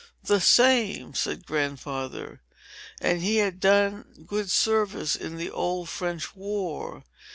"The same," said Grandfather; "and he had done good service in the Old French War.